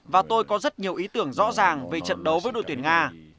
và tôi có rất nhiều ý tưởng rõ ràng về trận đấu với đội tuyển nga